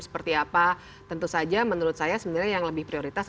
seperti apa tentu saja menurut saya sebenarnya yang lebih prioritas